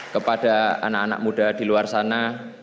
kepada anak anak muda di luar sana